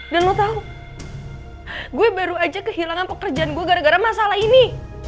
dan lo tau gue baru aja kehilangan pekerjaan gue gara gara masalah ini